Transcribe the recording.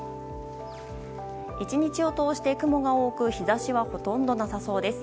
１日を通して雲が多く日差しはほとんどなさそうです。